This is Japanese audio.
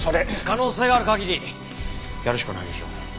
可能性がある限りやるしかないでしょ！